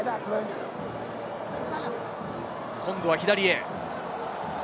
今度は左へ。